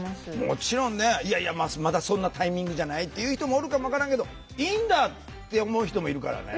もちろんねいやいやまだそんなタイミングじゃないっていう人もおるかも分からんけどいいんだって思う人もいるからね。